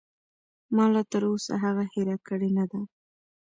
ما لاتر اوسه هغه هېره کړې نه ده.